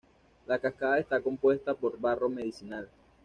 La cascada está compuesta por barro medicinal.